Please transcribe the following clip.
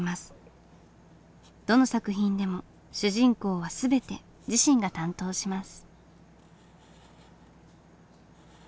どの作品でも主人公は全て自身が担当します。